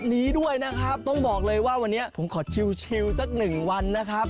นี้ด้วยนะครับต้องบอกเลยว่าวันนี้ผมขอชิวสักหนึ่งวันนะครับ